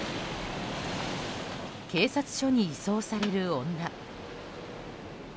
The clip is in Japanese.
警察署に移送される女。